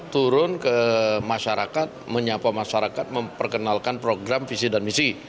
turun ke masyarakat menyapa masyarakat memperkenalkan program visi dan misi